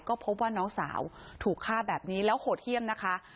ก็พบว่าน้องสาวถูกฆ่าแบบนี้แล้วโหดเยี่ยมนะคะ